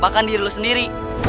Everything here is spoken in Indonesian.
bahkan diri lu sendiri